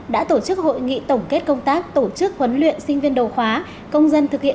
đã tổ chức hội nghị tổng kết công tác tổ chức huấn luyện sinh viên đầu khóa công dân thực hiện